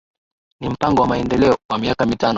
Ni mpango wa Maendeleo wa Miaka Mitano